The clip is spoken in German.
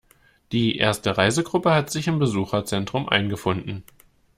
Die erste Reisegruppe hat sich im Besucherzentrum eingefunden.